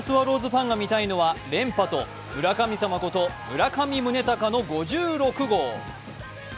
ファンが見たいのは連覇と村神様こと村上宗隆の５６号。